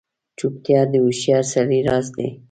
چوپتیا، د هوښیار سړي راز دی.